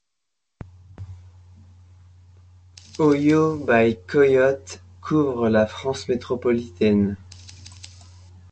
Oyo by Coyote couvre la France métropolitaine.